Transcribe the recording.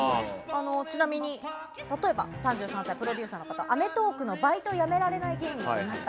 ちなみに、例えば３３歳のプロデューサーの方「アメトーーク！」のバイトやめられない芸人を見ました。